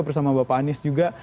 bersama bapak anies juga